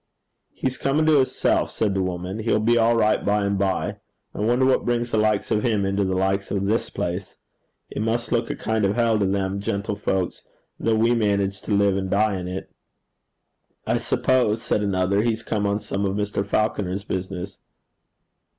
'He's comin' to hisself,' said the woman. 'He'll be all right by and by. I wonder what brings the likes of him into the likes of this place. It must look a kind of hell to them gentle folks, though we manage to live and die in it.' 'I suppose,' said another, 'he's come on some of Mr. Falconer's business.'